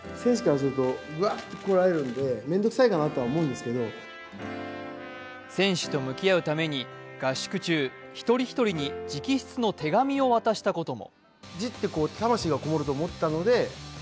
まず１つ目は選手と向き合うために合宿中、一人一人に直筆の手紙を渡したことも。